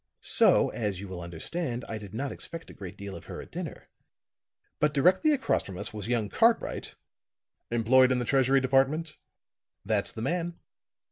"So, as you will understand, I did not expect a great deal of her at dinner. But directly across from us was young Cartwright " "Employed in the Treasury Department?" "That's the man.